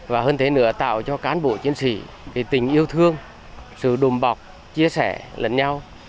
và hơn thế nữa tạo cho cán bộ chiến sĩ tình yêu thương sự đùm bọc chia sẻ lẫn nhau